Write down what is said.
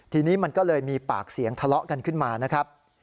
ทีนี้มันก็เลยมีปากเสียงทะเลาะกันขึ้นมานะครับ